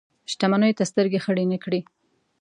شتمنیو ته سترګې خړې نه کړي.